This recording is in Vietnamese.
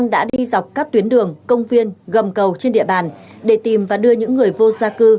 đã đi dọc các tuyến đường công viên gầm cầu trên địa bàn để tìm và đưa những người vô gia cư